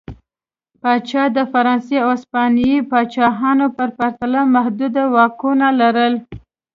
پاچا د فرانسې او هسپانیې پاچاهانو په پرتله محدود واکونه لرل.